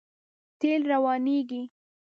تېل روانېږي.